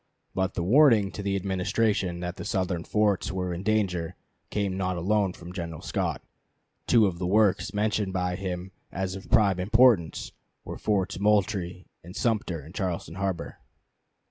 But the warning to the Administration that the Southern forts were in danger came not alone from General Scott. Two of the works mentioned by him as of prime importance were Forts Moultrie and Sumter in Charleston harbor.